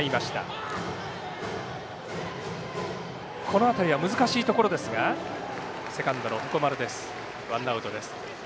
この辺りは難しいところですがセカンドの鉾丸、ワンアウトです。